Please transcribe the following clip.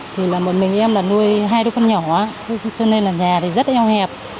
thì là một mình em là nuôi hai đứa con nhỏ quá cho nên là nhà thì rất eo hẹp